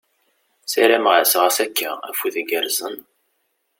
Ssarameɣ-as ɣas akka, afud igerrzen !